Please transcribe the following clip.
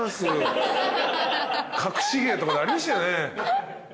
隠し芸とかでありましたよね？